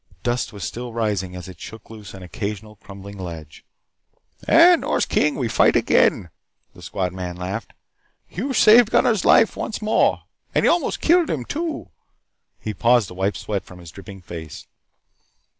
Dust was still rising as it shook loose an occasional, crumbling ledge. "Eh, Nors King, we fight again," the squat man laughed. "You saved Gunnar's life once more and you almost killed him, too." He paused to wipe sweat from his dripping face.